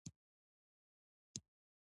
د ډول ږغ د ليري خوند کيي.